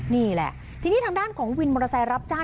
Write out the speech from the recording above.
นี่แหละทีนี้ทางด้านของวินมอเตอร์ไซค์รับจ้าง